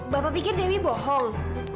bapak pikir dewi bohong